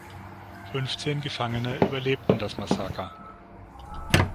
Fünfzehn Gefangene überlebten das Massaker.